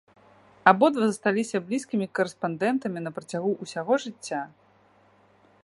Абодва засталіся блізкімі карэспандэнтамі на працягу ўсяго жыцця.